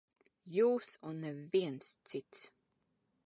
Jūs un neviens cits.